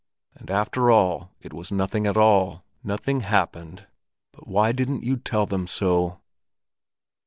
And after all it was nothing at all—nothing happened? But why didn't you tell them so?"